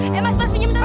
eh mas mas mimpun mah